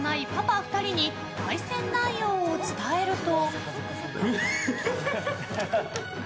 ２人に対戦内容を伝えると。